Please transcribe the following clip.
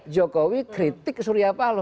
jokowi kritik suryapalo